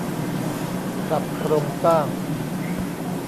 ปรับโครงสร้าง